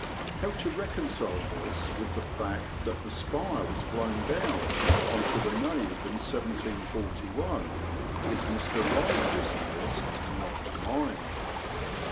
How to reconcile this with the fact that the spire was blown down on to the nave in 1741 is Mr. Rye's business, not mine.